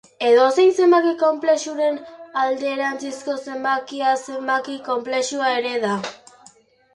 Edozein zenbaki konplexuaren alderantzizko zenbakia zenbaki konplexua ere da.